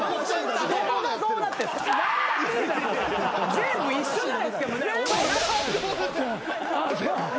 全部一緒じゃないですか。